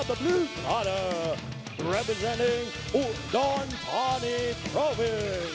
พลังเผ็ดทัวร์ตุ๊ดน้ำใส